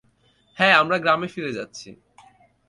হ্যাঁ, আমরা গ্রামে ফিরে যাচ্ছি!